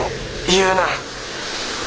言うな。